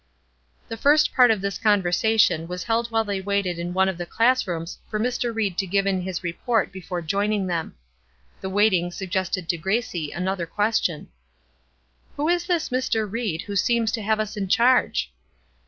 The first part of this conversation was held while they waited in one of the class rooms for Mr. Ried to give in his report before joining them. The waiting suggested to Gracie another question. "Who is this Mr. Ried, who seems to have us in charge?"